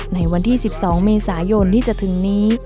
ในวันที่๑๒เมษายนที่จะถึงนี้